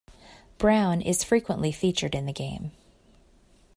Brown is frequently featured in the game.